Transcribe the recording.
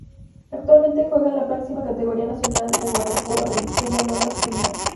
Actualmente juega en la máxima categoría nacional de waterpolo, la división de honor masculina.